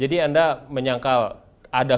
jadi anda menyangkal ada